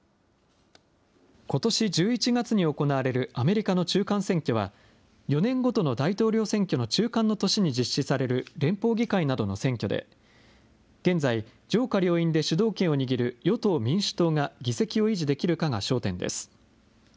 ことし１１月に行われるアメリカの中間選挙は、４年ごとの大統領選挙の中間の年に実施される連邦議会などの選挙で、現在、上下両院で主導権を握る与党・民主党が議席を維持できるかが焦点です。